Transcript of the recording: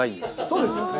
そうですよね。